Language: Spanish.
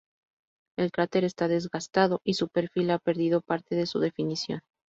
El cráter está desgastado, y su perfil ha perdido parte de su definición.